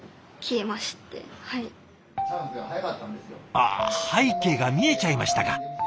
ああ背景が見えちゃいましたか。